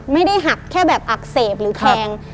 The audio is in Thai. ไม่ได้หักแค่แบบอักเสบหรือแทง